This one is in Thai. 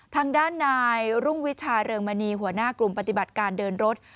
ทางด้านนายรุ่งวิชาเรืองมณีหัวหน้ากลุ่มปฏิบัติการเดินรถ